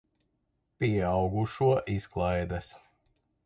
Pieaugušo izklaides.